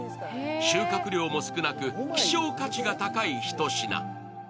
収穫量も少なく希少価値が高いひと品。